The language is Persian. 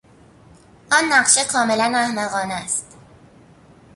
آن نقشه کاملا احمقانه است.